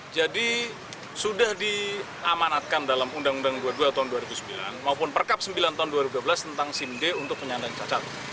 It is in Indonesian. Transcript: jadi sudah diamanatkan dalam undang undang dua puluh dua tahun dua ribu sembilan maupun perkab sembilan tahun dua ribu dua belas tentang simd untuk penyandang cacat